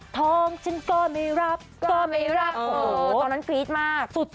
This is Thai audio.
ท้องฉันก็ไม่รับก็ไม่รับตอนนั้นกรี๊ดมาก